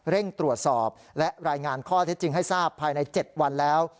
ตรวจสอบและรายงานข้อเท็จจริงให้ทราบภายใน๗วันแล้ว